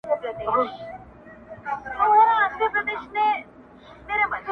چي دې سترگو زما و زړه ته کړی پول دی,